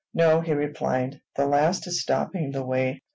"No," he replied: "the last is stopping the way.